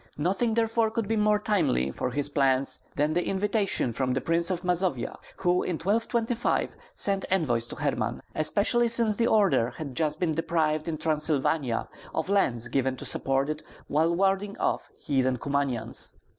Nothing therefore could be more timely for his plans than the invitation from the Prince of Mazovia, who in 1225 sent envoys to Herman; especially since the order had just been deprived in Transylvania of lands given to support it while warding off heathen Kumanians.